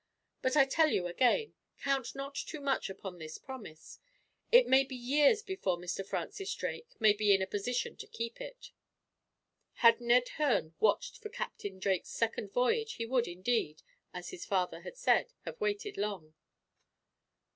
But I tell you again, count not too much upon this promise. It may be years before Mr. Francis Drake may be in a position to keep it." Had Ned Hearne watched for Captain Drake's second voyage, he would, indeed, as his father had said, have waited long.